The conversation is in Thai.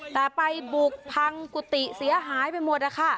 แต่ไปบุกพังกุฏิเสียหายไปหมดนะคะ